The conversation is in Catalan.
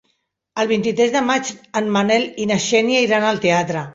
El vint-i-tres de maig en Manel i na Xènia iran al teatre.